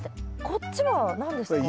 こっちは何ですか？